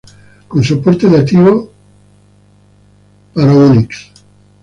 Con soporte nativo para Microsoft Windows.